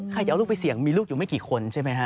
จะเอาลูกไปเสี่ยงมีลูกอยู่ไม่กี่คนใช่ไหมฮะ